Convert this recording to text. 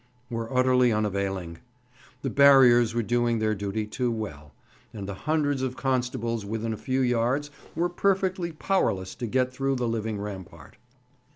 were utterly unavailing. The barriers were doing their duty too well, and the hundreds of constables within a few yards were perfectly powerless to get through the living rampart.